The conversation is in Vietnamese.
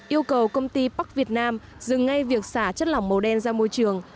yêu cầu công ty park việt nam dừng ngay việc xả chất lỏng màu đen ra môi trường